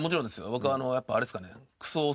僕はやっぱあれっすかね。